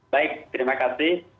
baik terima kasih